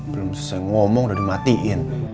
belum selesai ngomong udah dimatiin